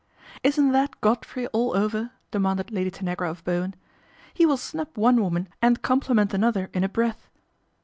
" Isn't that Godfrey all over ?" demanded Lady Tanagra of Bowen. "He will snub one 1 woman and compliment another in a breath.